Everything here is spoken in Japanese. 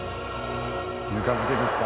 ぬか漬けですか？